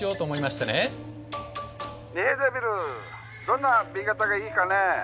☎どんな紅型がいいかね？